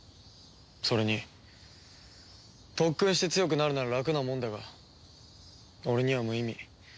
それに特訓して強くなるならラクなもんだが俺には無意味。